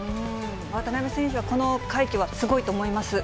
渡邉選手はこの快挙はすごいと思います。